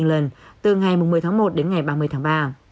ở scotland và vùng england từ ngày một mươi tháng một đến ngày ba mươi tháng ba